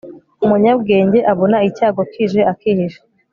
umunyabwenge abona icyago kije, akihisha